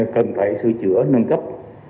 cần phải sửa chữa nâng cấp